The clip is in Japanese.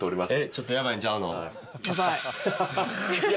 ちょっとやばいんちゃうの？